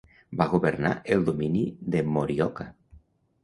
Va governar el domini de Morioka.